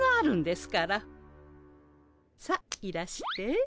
さあいらして。